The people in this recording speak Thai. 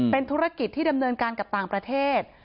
เป็นธุรกิจที่ดำเนินการกับต่างประเทศ